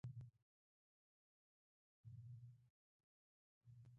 یو کوچنی مثبت فکر په سهار کې